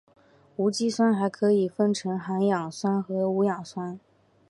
无机酸还可以分成含氧酸和无氧酸。